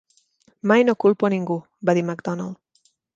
"Mai no culpo a ningú", va dir Macdonald.